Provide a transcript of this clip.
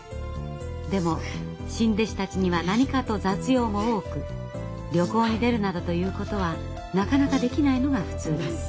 でも新弟子たちには何かと雑用も多く旅行に出るなどということはなかなかできないのが普通です。